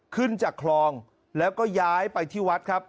ขึ้นจากคลองแล้วก็ย้ายไปที่วัดครับ